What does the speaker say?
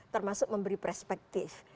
termasuk memberi perspektif